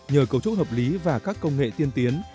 nhờ cấu trúc hợp lý và các công nghệ tiên tiến